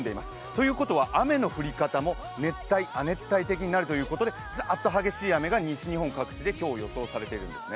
ということは雨の降り方も熱帯亜熱帯的になるということでザッと激しい雨が西日本各地で今日、予想されています。